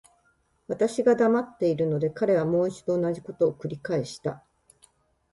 私が黙っているので、彼はもう一度同じことを繰返した。